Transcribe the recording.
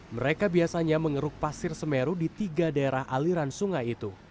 mereka biasanya mengeruk pasir semeru di tiga daerah aliran sungai itu